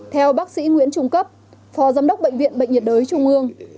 theo bác sĩ nguyễn trung cấp phó giám đốc bệnh viện bệnh nhiệt đới trung ương